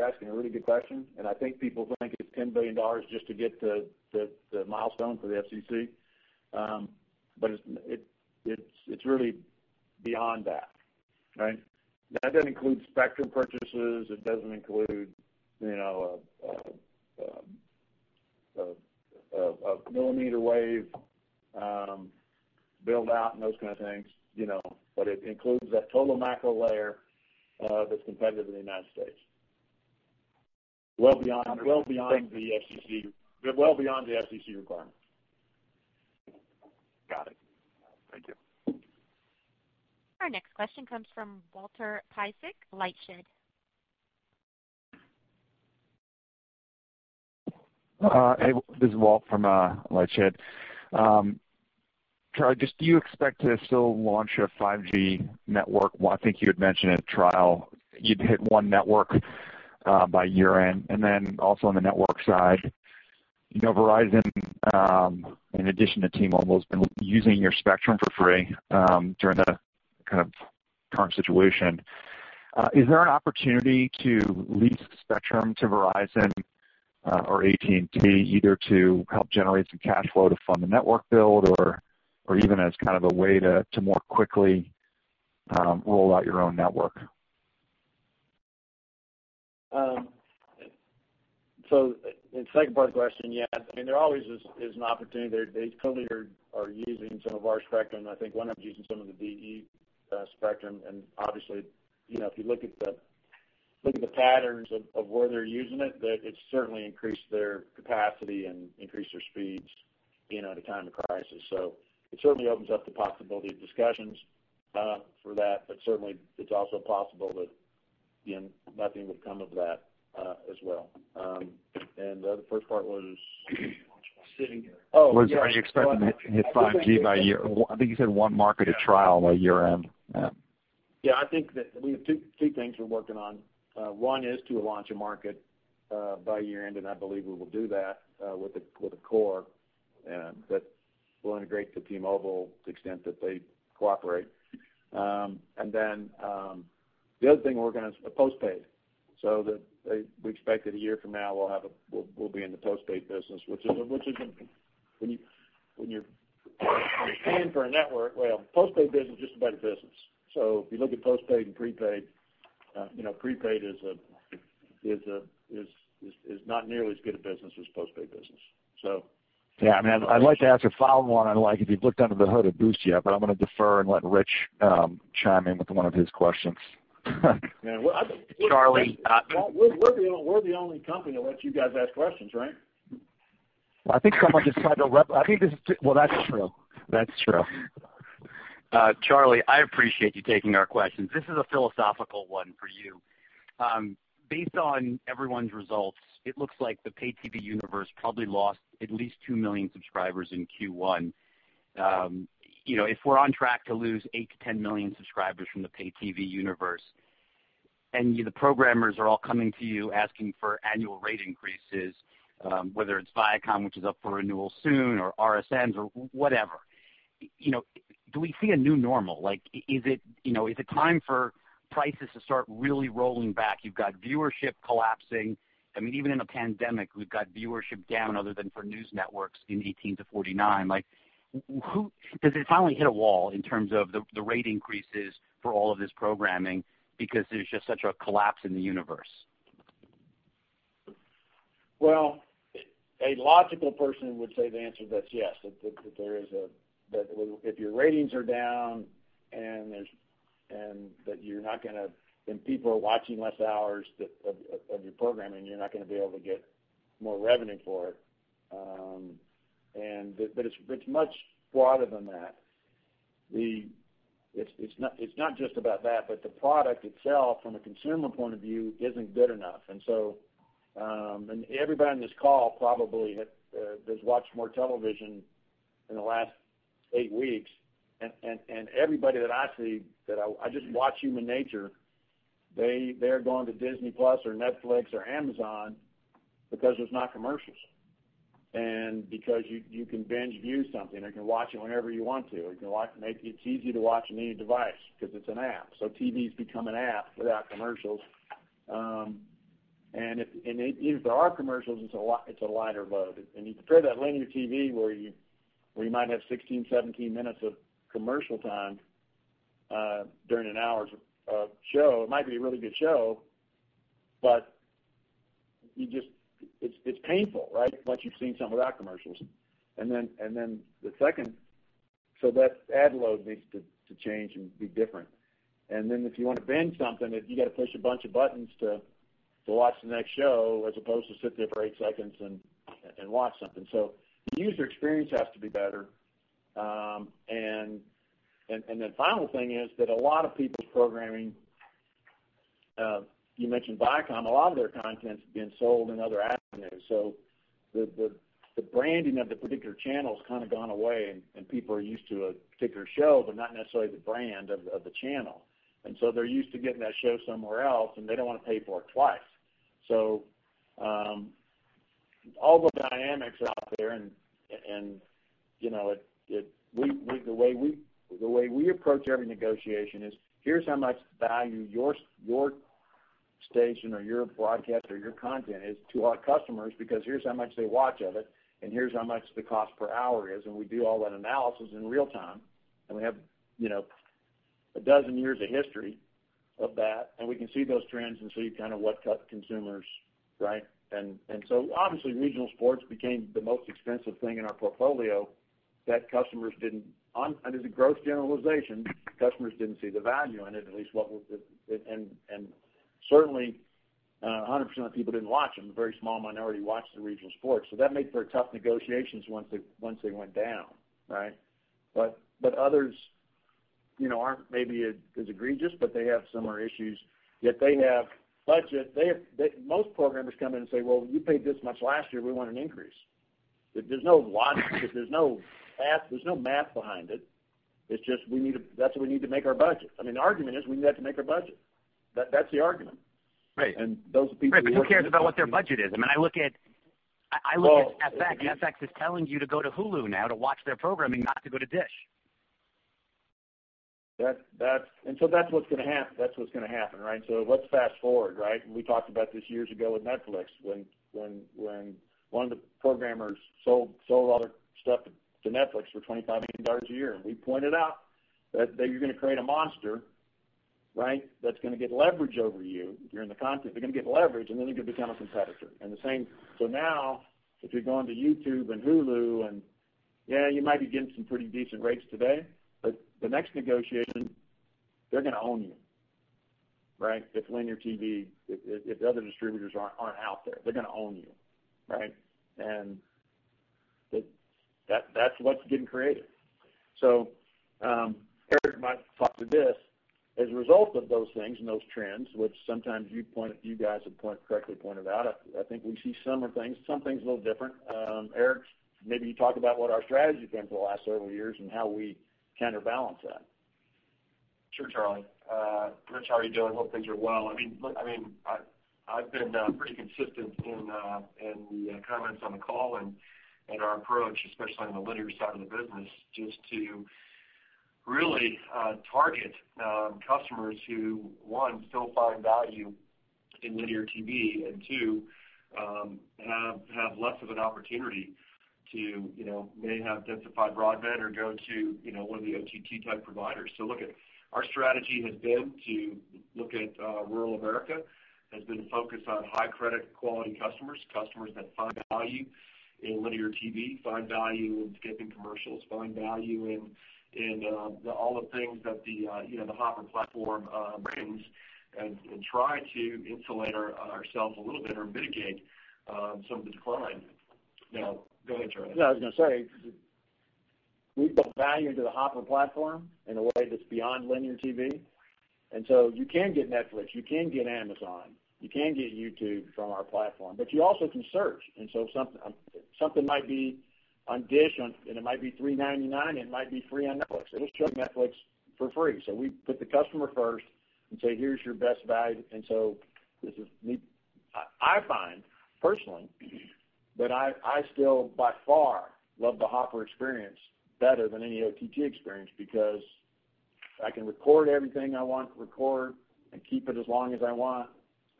asking a really good question. I think people think it's $10 billion just to get to the milestone for the FCC. It's really beyond that, right? That doesn't include spectrum purchases, it doesn't include a millimeter wave build out and those kind of things. It includes that total macro layer that's competitive in the United States. Well beyond the FCC, well beyond the FCC requirements. Got it. Thank you. Our next question comes from Walter Piecyk, LightShed. Hey, this is Walter Piecyk from LightShed. Charlie Ergen, just do you expect to still launch your 5G network? Well, I think you had mentioned at trial you'd hit one network by year-end. Also on the network side, you know, Verizon, in addition to T-Mobile, has been using your spectrum for free during the kind of current situation. Is there an opportunity to lease spectrum to Verizon or AT&T, either to help generate some cash flow to fund the network build or even as kind of a way to more quickly roll out your own network? The second part of the question, yeah. I mean, there always is an opportunity there. They clearly are using some of our spectrum. I think Windstream's using some of the DE spectrum. Obviously, you know, if you look at the patterns of where they're using it's certainly increased their capacity and increased their speeds, you know, at a time of crisis. It certainly opens up the possibility of discussions for that. Certainly, it's also possible that, you know, nothing would come of that as well. The first part was? Launch by sitting here. Oh, yeah. Are you expecting to hit 5G by year I think you said one market at trial by year-end? Yeah. I think that we have two things we're working on. One is to launch a market by year-end. I believe we will do that with the core that will integrate to T-Mobile to the extent that they cooperate. The other thing we're working on is the postpaid. We expect that a year from now we'll be in the postpaid business when you're paying for a network, well, postpaid business is just a better business. If you look at postpaid and prepaid, you know, prepaid is not nearly as good a business as postpaid business. Yeah, I mean, I'd like to ask a follow-on on like if you've looked under the hood of Boost yet, but I'm gonna defer and let Rich chime in with one of his questions. Yeah, well. Charlie. Walt, we're the only company that lets you guys ask questions, right? I think someone just tried to I think this is too. Well, that's true. That's true. Charlie, I appreciate you taking our questions. This is a philosophical one for you. Based on everyone's results, it looks like the pay TV universe probably lost at least 2 million subscribers in Q1. You know, if we're on track to lose 8-10 million subscribers from the pay TV universe, and the programmers are all coming to you asking for annual rate increases, whether it's Viacom, which is up for renewal soon, or RSNs or whatever, you know, do we see a new normal? Like, is it, you know, is it time for prices to start really rolling back? You've got viewership collapsing. I mean, even in a pandemic, we've got viewership down other than for news networks in 18-49. Like, does it finally hit a wall in terms of the rate increases for all of this programming because there's just such a collapse in the universe? A logical person would say the answer to that's yes, that if your ratings are down and people are watching less hours of your programming, you're not gonna be able to get more revenue for it. It's much broader than that. It's not just about that, but the product itself from a consumer point of view isn't good enough. Everybody on this call probably has watched more television in the last eight weeks. Everybody that I see that I just watch human nature. They're going to Disney+ or Netflix or Amazon because there's not commercials, and because you can binge view something or can watch it whenever you want to. You can watch. It's easy to watch on any device because it's an app. TV's become an app without commercials. Even if there are commercials, it's a lighter load. You compare that to linear TV where you might have 16, 17 minutes of commercial time during an hour of show, it might be a really good show, but it's painful, right? Once you've seen some without commercials. Then that ad load needs to change and be different. If you wanna binge something, if you gotta push a bunch of buttons to watch the next show as opposed to sit there for eight seconds and watch something. The user experience has to be better. The final thing is that a lot of people's programming. You mentioned Viacom, a lot of their content's been sold in other avenues, so the branding of the particular channel's kind of gone away and people are used to a particular show, but not necessarily the brand of the channel. They're used to getting that show somewhere else, and they don't wanna pay for it twice. All the dynamics out there, you know, the way we approach every negotiation is here's how much value your station or your broadcast or your content is to our customers because here's how much they watch of it, and here's how much the cost per hour is, and we do all that analysis in real time. We have, you know, a dozen years of history of that, and we can see those trends and see kind of what cut consumers, right? Obviously, regional sports became the most expensive thing in our portfolio that customers didn't under the gross generalization, customers didn't see the value in it, at least what we're. Certainly, 100% of people didn't watch them. A very small minority watched the regional sports, so that made for tough negotiations once they went down, right? Others, you know, aren't maybe as egregious, but they have similar issues, yet they have budget. Most programmers come in and say, "Well, you paid this much last year, we want an increase." There's no logic. There's no math behind it. It's just that's what we need to make our budget. I mean, the argument is we have to make our budget. That's the argument. Right. And those are people. Right. Who cares about what their budget is? I mean, I look at FX. Well- FX is telling you to go to Hulu now to watch their programming, not to go to DISH. That's what's going to happen, right? Let's fast-forward, right? We talked about this years ago with Netflix when one of the programmers sold all their stuff to Netflix for $25 million a year. We pointed out that you're going to create a monster, right? That's going to get leverage over you during the content. They're going to get leverage. They could become a competitor. Now, if you're going to YouTube and Hulu and, yeah, you might be getting some pretty decent rates today. The next negotiation, they're going to own you, right? If linear TV, if the other distributors aren't out there, they're going to own you, right? That's what's getting created. Erik might talk to this. As a result of those things and those trends, which sometimes you guys have correctly pointed out, I think we see similar things, some things a little different. Erik, maybe you talk about what our strategy's been for the last several years and how we counterbalance that. Sure, Charlie. Rich, how are you doing? Hope things are well. I mean, look, I mean, I've been pretty consistent in the comments on the call and our approach, especially on the linear side of the business, just to really target customers who, one, still find value in linear TV, and two, have less of an opportunity to, you know, may have identified broadband or go to, you know, one of the OTT type providers. Our strategy has been to look at rural America, has been focused on high credit quality customers that find value in linear TV, find value in skipping commercials, find value in all the things that, you know, the Hopper platform brings, and try to insulate ourselves a little bit or mitigate some of the decline. Go ahead, Charlie. I was going to say, we've built value into the Hopper platform in a way that's beyond linear TV. You can get Netflix, you can get Amazon, you can get YouTube from our platform, but you also can search. Something might be on DISH, and it might be $3.99, and it might be free on Netflix. It'll show Netflix for free. We put the customer first and say, "Here's your best value." This is me. I find personally that I still by far love the Hopper experience better than any OTT experience because I can record everything I want to record and keep it as long as I want.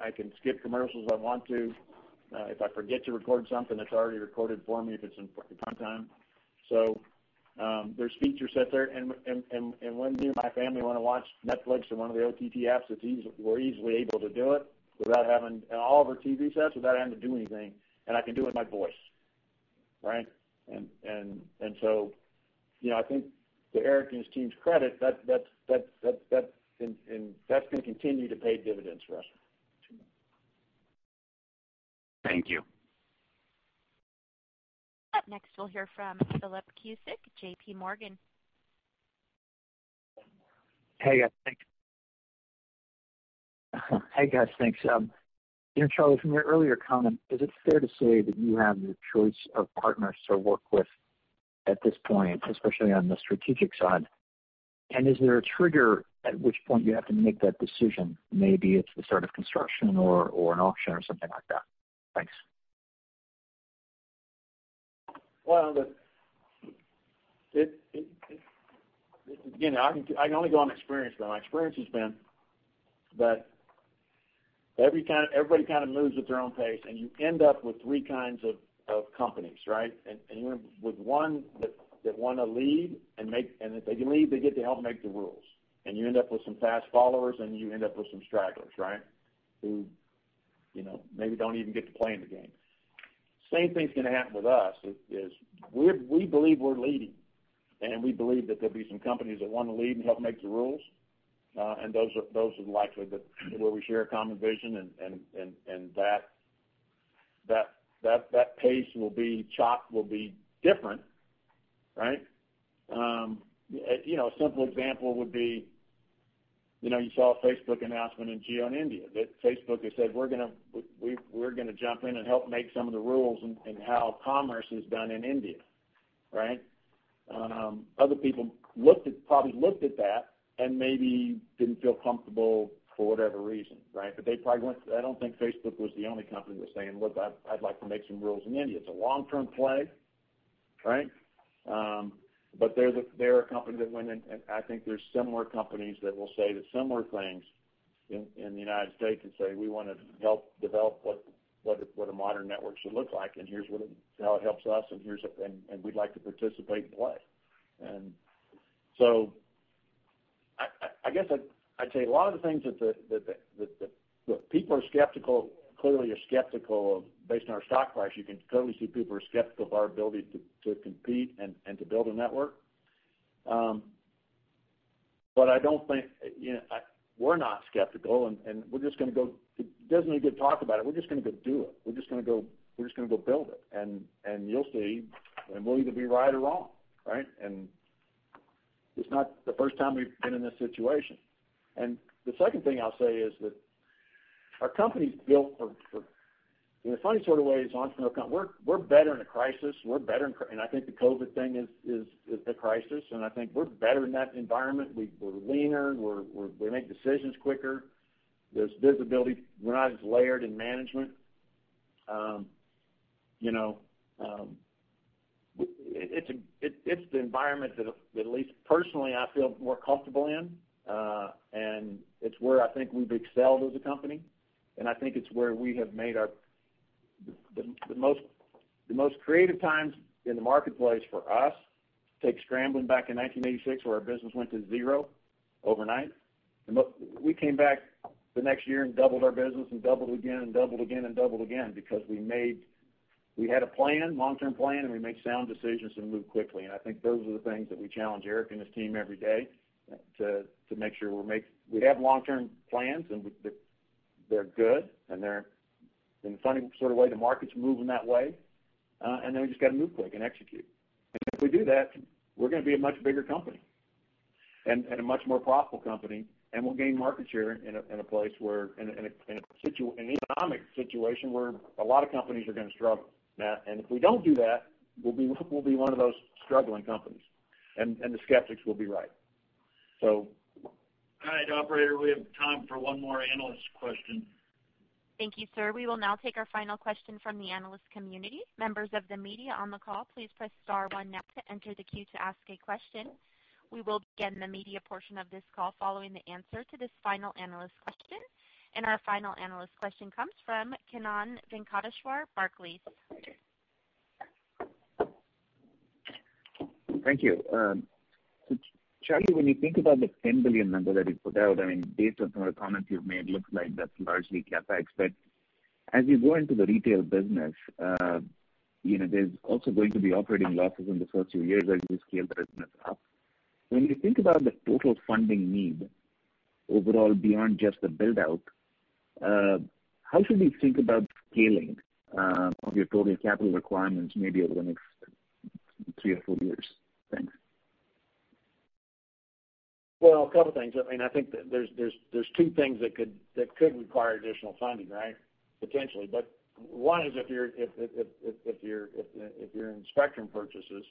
I can skip commercials if I want to. If I forget to record something that's already recorded for me if it's in primetime. There's features set there. When me and my family wanna watch Netflix or one of the OTT apps, we're easily able to do it without having all of our TV sets, without having to do anything. I can do it with my voice, right? You know, I think to Erik and his team's credit, that's gonna continue to pay dividends for us. Thank you. Up next, we'll hear from Philip Cusick, JPMorgan. Hey, guys. Thanks. You know, Charlie, from your earlier comment, is it fair to say that you have the choice of partners to work with at this point, especially on the strategic side? Is there a trigger at which point you have to make that decision? Maybe it's the start of construction or an auction or something like that. Thanks. Well, it again, I can only go on experience though. My experience has been that everybody kind of moves at their own pace, and you end up with three kinds of companies, right? You end up with one that wanna lead and make. If they can lead, they get to help make the rules. You end up with some fast followers, and you end up with some stragglers, right? Who, you know, maybe don't even get to play in the game. Same thing's gonna happen with us is we believe we're leading, and we believe that there'll be some companies that wanna lead and help make the rules. Those are likely the, you know, where we share a common vision and that chop will be different, right? You know, a simple example would be, you know, you saw a Facebook announcement in Jio in India that Facebook has said, "We're gonna jump in and help make some of the rules in how commerce is done in India," right? Other people probably looked at that and maybe didn't feel comfortable for whatever reason, right? I don't think Facebook was the only company that was saying, "Look, I'd like to make some rules in India." It's a long-term play, right? They're a company that went in, and I think there's similar companies that will say the similar things in the United States and say, "We wanna help develop what a modern network should look like, and here's how it helps us, and we'd like to participate and play." Based on our stock price, you can clearly see people are skeptical of our ability to compete and to build a network. I don't think, you know, we're not skeptical, and we're just gonna go It doesn't need to be talked about it. We're just gonna go do it. We're just gonna go build it. You'll see, and we'll either be right or wrong, right? It's not the first time we've been in this situation. The second thing I'll say is that our company's built for, in a funny sort of way, as an entrepreneurial company. We're better in a crisis. I think the COVID thing is a crisis, and I think we're better in that environment. We're leaner. We make decisions quicker. There's visibility. We're not as layered in management. You know, it's the environment that at least personally, I feel more comfortable in, and it's where I think we've excelled as a company, and I think it's where we have made our The most creative times in the marketplace for us, take scrambling back in 1986 where our business went to zero overnight. Look, we came back the next year and doubled our business and doubled again and doubled again and doubled again because we had a plan, long-term plan, and we made sound decisions and moved quickly. I think those are the things that we challenge Erik and his team every day, to make sure we have long-term plans, and they're good, and in a funny sort of way, the market's moving that way, then we just gotta move quick and execute. If we do that, we're gonna be a much bigger company and a much more profitable company, and we'll gain market share in a place where, in an economic situation where a lot of companies are gonna struggle. If we don't do that, we'll be one of those struggling companies, and the skeptics will be right. All right, operator, we have time for one more analyst question. Thank you, sir. We will now take our final question from the analyst community. Members of the media on the call, please press star one now to enter the queue to ask a question. We will begin the media portion of this call following the answer to this final analyst question. Our final analyst question comes from Kannan Venkateshwar, Barclays. Thank you. Charlie, when you think about the $10 billion number that you put out, based on some of the comments you've made, looks like that's largely CapEx. As you go into the retail business, there's also going to be operating losses in the first few years as you scale the business up. When you think about the total funding need overall beyond just the build-out, how should we think about the scaling of your total capital requirements maybe over the next three or four years? Thanks. A couple things. I mean, I think that there's two things that could require additional funding, right? Potentially. One is if you're in spectrum purchases,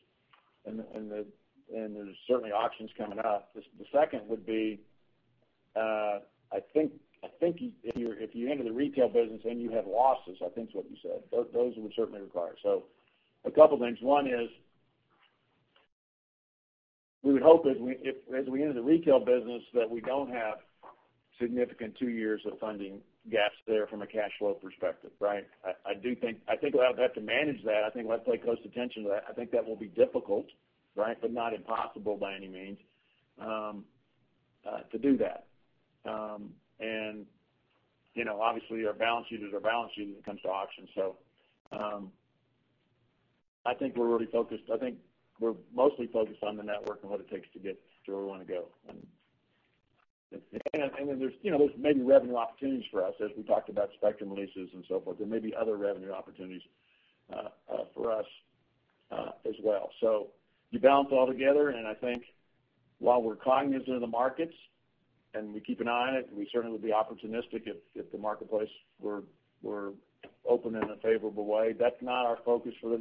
and there's certainly auctions coming up. The second would be, I think if you enter the retail business and you have losses, I think is what you said, those would certainly require it. A couple things. One is we would hope as we enter the retail business, that we don't have significant two years of funding gaps there from a cash flow perspective, right? I do think we'll have to manage that. I think we'll have to pay close attention to that. I think that will be difficult, right, but not impossible by any means, to do that. You know, obviously, our balance sheet is our balance sheet when it comes to auctions. I think we're really focused. I think we're mostly focused on the network and what it takes to get to where we want to go. Then there's, you know, there's maybe revenue opportunities for us as we talked about spectrum leases and so forth. There may be other revenue opportunities for us as well. You balance it all together, and I think while we're cognizant of the markets and we keep an eye on it, and we certainly would be opportunistic if the marketplace were open in a favorable way, that's not our focus for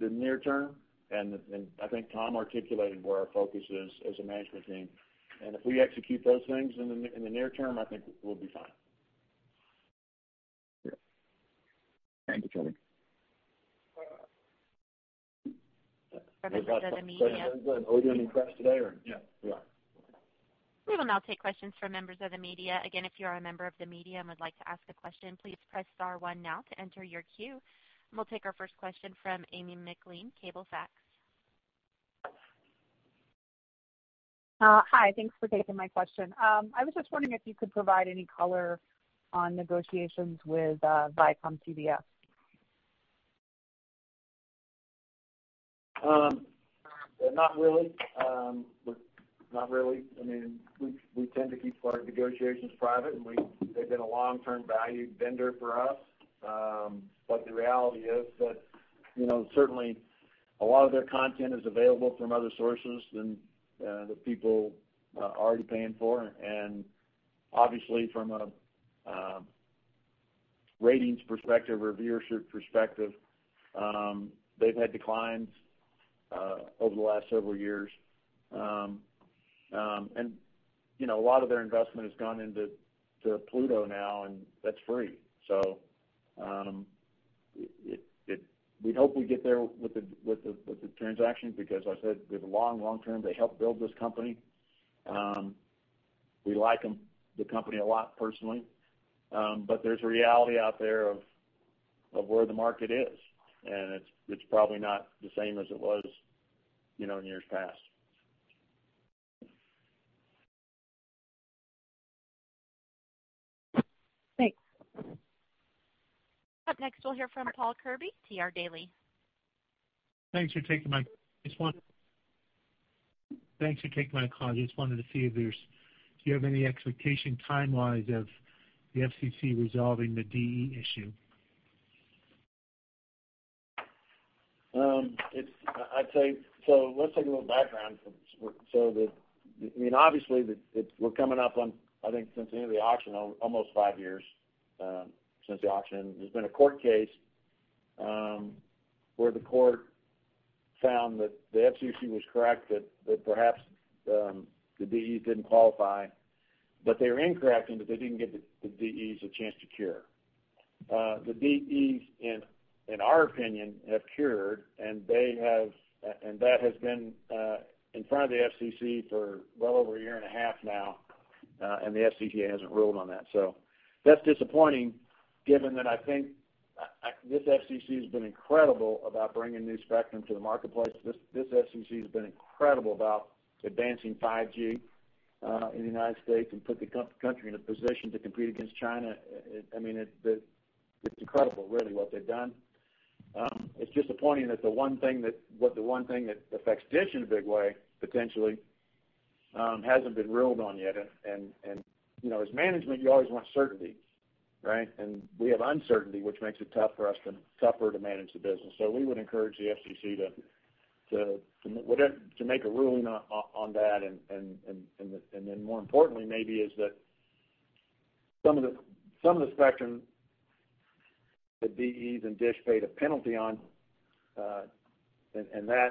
the near term. I think Tom articulated where our focus is as a management team. If we execute those things in the near term, I think we'll be fine. Yeah. Thank you, Charlie. Members of the media. Are we doing any press today or? Yeah. We will now take questions from members of the media. Again, if you are a member of the media and would like to ask a question, please press star one now to enter your queue. We'll take our first question from Amy MacLean, Cablefax. Hi. Thanks for taking my question. I was just wondering if you could provide any color on negotiations with ViacomCBS? Not really. Not really. I mean, we tend to keep our negotiations private, and they've been a long-term value vendor for us. The reality is that, you know, certainly a lot of their content is available from other sources than the people are already paying for. Obviously, from a ratings perspective or viewership perspective, they've had declines over the last several years. You know, a lot of their investment has gone into Pluto now, and that's free. We hope we get there with the transaction because as I said, we have a long-term. They helped build this company. We like them, the company a lot personally. There's a reality out there of where the market is, and it's probably not the same as it was, you know, in years past. Thanks. Up next, we'll hear from Paul Kirby, TR Daily. Thanks for taking my call. Do you have any expectation time-wise of the FCC resolving the DE issue? I'd say. Let's take a little background from spectrum. I mean, obviously, the, we're coming up on, I think, since the end of the auction, almost five years since the auction. There's been a court case where the court found that the FCC was correct that perhaps the DEs didn't qualify, but they were incorrect and that they didn't give the DEs a chance to cure. The DEs in our opinion have cured, and they have, and that has been in front of the FCC for well over a year and a half now, and the FCC hasn't ruled on that. That's disappointing given that I think this FCC has been incredible about bringing new spectrum to the marketplace. This FCC has been incredible about advancing 5G in the United States and put the country in a position to compete against China. I mean, it's incredible, really, what they've done. It's disappointing that the one thing that affects DISH in a big way, potentially, hasn't been ruled on yet. You know, as management, you always want certainty, right? We have uncertainty, which makes it tougher to manage the business. We would encourage the FCC to make a ruling on that. Then more importantly maybe is that some of the spectrum, the DEs and DISH paid a penalty on, and that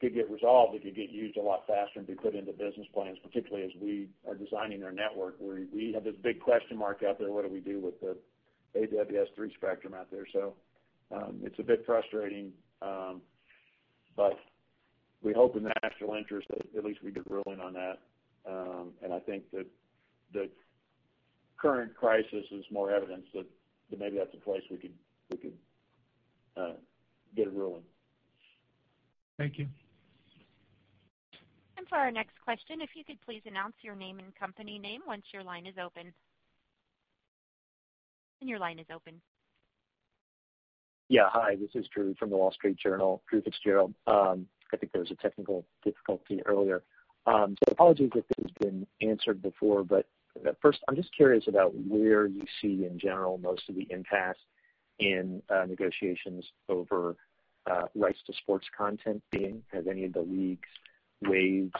could get resolved if you get used a lot faster and be put into business plans, particularly as we are designing our network where we have this big question mark out there, what do we do with the AWS-3 spectrum out there? It's a bit frustrating, but we hope in the national interest that at least we get a ruling on that. I think that the current crisis is more evidence that maybe that's a place we could get a ruling. Thank you. For our next question, if you could please announce your name and company name once your line is open. Your line is open. Yeah. Hi, this is Drew from The Wall Street Journal, Drew FitzGerald. I think there was a technical difficulty earlier. Apologies if this has been answered before, but first, I'm just curious about where you see in general most of the impasse in negotiations over rights to sports content being. Has any of the leagues waived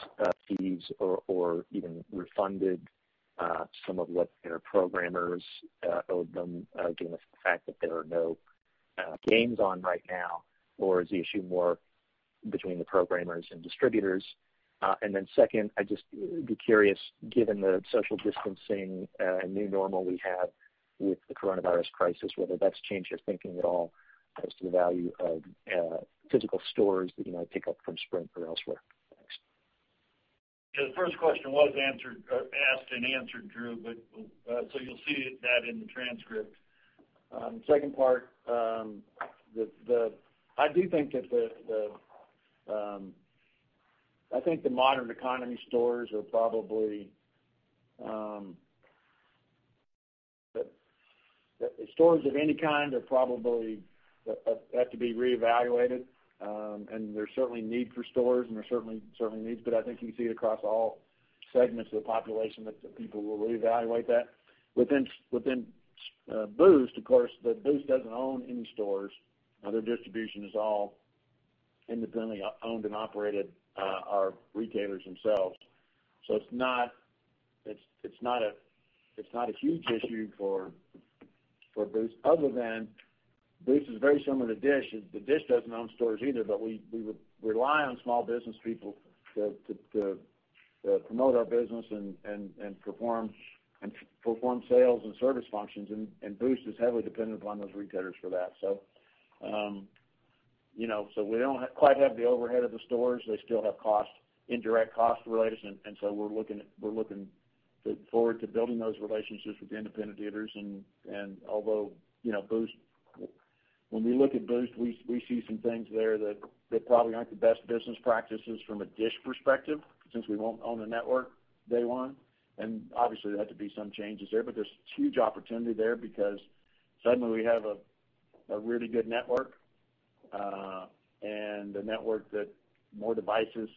fees or even refunded some of what their programmers owed them given the fact that there are no games on right now? Or is the issue more between the programmers and distributors? Second, I just would be curious, given the social distancing new normal we have with the coronavirus crisis, whether that's changed your thinking at all as to the value of physical stores that you might pick up from Sprint or elsewhere. Thanks. The first question was answered or asked and answered, Drew. You'll see that in the transcript. Second part, I do think that the modern economy stores are probably the stores of any kind are probably have to be reevaluated. There's certainly need for stores, and there's certainly needs, but I think you see it across all segments of the population that the people will reevaluate that. Within Boost, of course, but Boost doesn't own any stores. Their distribution is all independently owned and operated, are retailers themselves. It's not a huge issue for Boost other than Boost is very similar to DISH. DISH doesn't own stores either, we would rely on small business people to promote our business and perform sales and service functions, and Boost is heavily dependent upon those retailers for that. You know, we don't quite have the overhead of the stores. They still have cost, indirect costs related, we're looking forward to building those relationships with the independent dealers. Although, you know, when we look at Boost, we see some things there that probably aren't the best business practices from a DISH perspective since we won't own the network day one. Obviously, there'd have to be some changes there, but there's huge opportunity there. Suddenly we have a really good network, and a network that more devices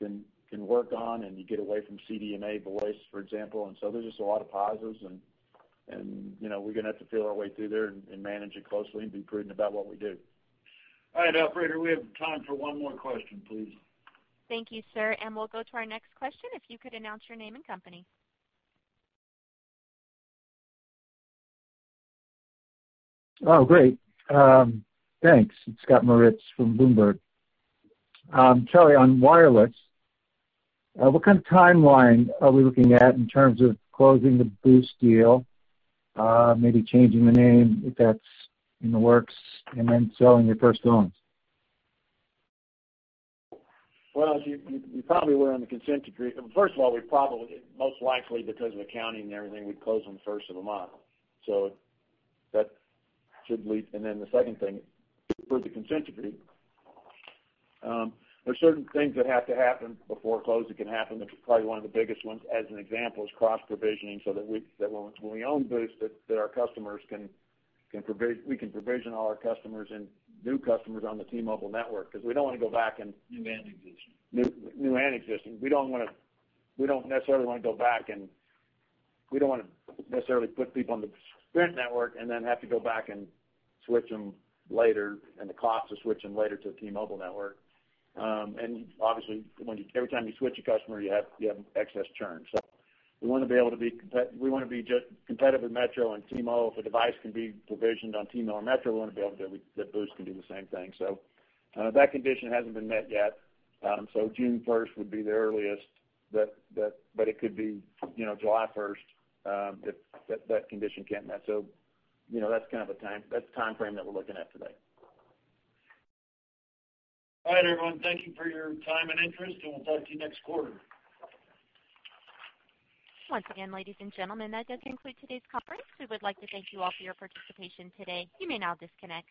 can work on, and you get away from CDMA voice, for example. There's just a lot of positives and, you know, we're gonna have to feel our way through there and manage it closely and be prudent about what we do. All right, operator, we have time for one more question, please. Thank you, sir. We'll go to our next question, if you could announce your name and company. Oh, great. Thanks. It's Scott Moritz from Bloomberg. Charlie, on wireless, what kind of timeline are we looking at in terms of closing the Boost deal, maybe changing the name, if that's in the works, and then selling your first loans? Well, as you probably were on the consent decree. First of all, we probably, most likely because of accounting and everything, we'd close on the first of the month. That should lead. Then the second thing, with the consent decree, there are certain things that have to happen before closing can happen, which is probably one of the biggest ones, as an example, is cross-provisioning so that when we own Boost, that we can provision all our customers and new customers on the T-Mobile network because we don't wanna go back and. New and existing. New and existing. We don't wanna necessarily put people on the Sprint network and then have to go back and switch them later, and the cost to switch them later to a T-Mobile network. Obviously, when every time you switch a customer, you have excess churn. We wanna be just competitive with Metro and T-Mobile. If a device can be provisioned on T-Mobile or Metro, we wanna be able to that Boost can do the same thing. That condition hasn't been met yet. June 1st would be the earliest that but it could be, you know, July 1st, if that condition getting met. You know, that's kind of a timeframe that we're looking at today. All right, everyone. Thank you for your time and interest, and we'll talk to you next quarter. Once again, ladies and gentlemen, that does conclude today's conference. We would like to thank you all for your participation today. You may now disconnect.